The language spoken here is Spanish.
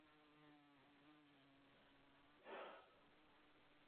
El arbusto se reproduce a partir de semillas y brotes de la raíz.